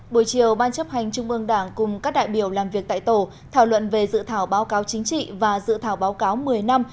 buổi chiều ban chấp hành trung ương đảng cùng các đại biểu làm việc tại tổ thảo luận về dự thảo báo cáo chính trị và dự thảo báo cáo một mươi năm